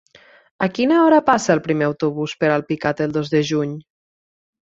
A quina hora passa el primer autobús per Alpicat el dos de juny?